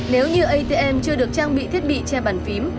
nếu như atm chưa được trang bị thiết bị che bàn phím